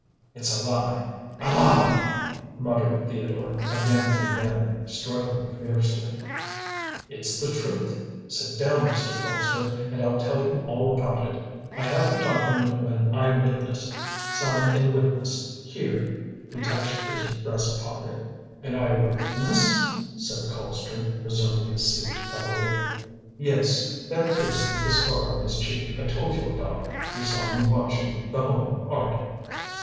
"It's a lie; a lie!" muttered Theodore again and again, struggling fiercely. "It's the truth. Sit down, Mr. Colpster, and I'll tell you all about it. I have the document of an eye witness signed and witnessed here," he touched his breast pocket. "An eye witness?" said Colpster, resuming his seat heavily. "Yes. That priest with the scar on his cheek I told you about, who saw me watching The Home of Art."